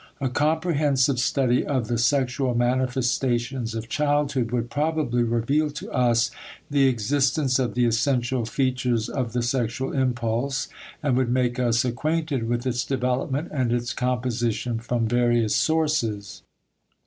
A comprehensive study of the sexual manifestations of childhood would probably reveal to us the existence of the essential features of the sexual impulse, and would make us acquainted with its development and its composition from various sources.